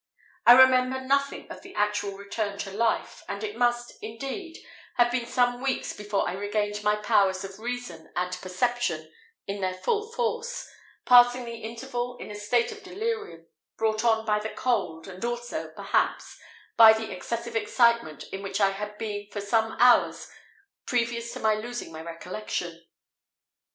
I remember nothing of the actual return to life, and it must, indeed, have been some weeks before I regained my powers of reason and perception in their full force, passing the interval in a state of delirium, brought on by the cold, and also, perhaps, by the excessive excitement in which I had been for some hours previous to my losing my recollection.